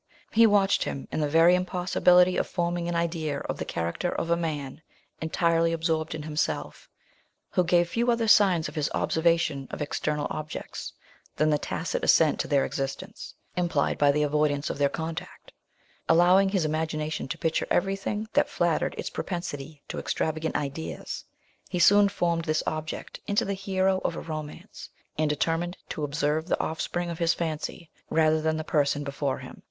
He watched him; and the very impossibility of forming an idea of the character of a man entirely absorbed in himself, who gave few other signs of his observation of external objects, than the tacit assent to their existence, implied by the avoidance of their contact: allowing his imagination to picture every thing that flattered its propensity to extravagant ideas, he soon formed this object into the hero of a romance, and determined to observe the offspring of his fancy, rather than the person before him.